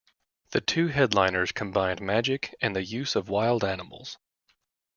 The two headliners combined magic and the use of wild animals.